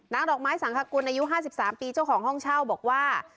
ดอกไม้สังคกุลอายุ๕๓ปีเจ้าของห้องเช่าบอกว่า